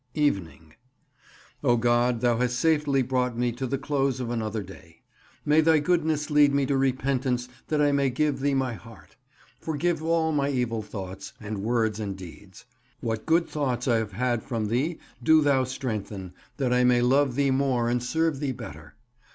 Evening. O GOD, Thou hast safely brought me to the close of another day. May Thy goodness lead me to repentance that I may give Thee my heart. Forgive all my evil thoughts, and words, and deeds. What good thoughts I have had from Thee do Thou strengthen, that I may love Thee more and serve Thee better.